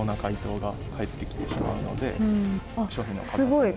すごい。